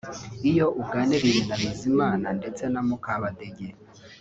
Iyo uganiriye na Bizimana ndetse na Mukabadege